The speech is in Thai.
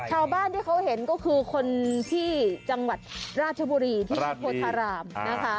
ชาวบ้านที่เขาเห็นก็คือคนที่จังหวัดราชบุรีที่วัดโพธารามนะคะ